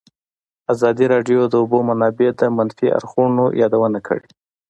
ازادي راډیو د د اوبو منابع د منفي اړخونو یادونه کړې.